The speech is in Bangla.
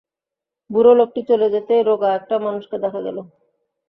বুড়ো লোকটি চলে যেতেই রোগা একটা মানুষকে দেখা গেল।